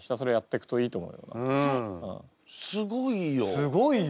すごいよ！